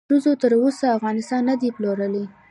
ښځو تر اوسه افغانستان ندې پلورلی